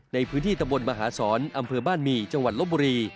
ในพื้นที่ตะบนมหาศรอำเภอบ้านหมี่จังหวัดลบบุรี